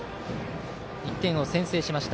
１点先制しました。